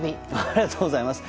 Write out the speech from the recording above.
ありがとうございます。